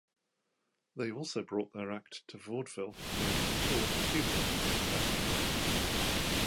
They also brought their act to vaudeville and toured Cuba and South America.